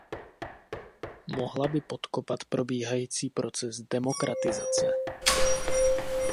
Mohla by podkopat probíhající proces demokratizace.